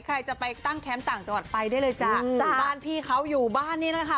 ใครจะไปตั้งแคมป์ต่างจังหวัดไปได้เลยจ้ะจ้ะบ้านพี่เขาอยู่บ้านนี่แหละค่ะ